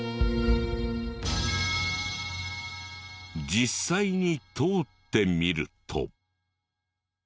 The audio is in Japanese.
実際に通ってみると。